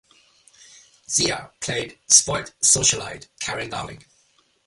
Zea played spoiled socialite Karen Darling.